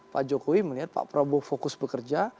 pak jokowi melihat pak prabowo fokus bekerja